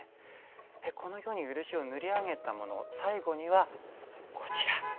このように漆を塗り上げたものを最後にはこちら。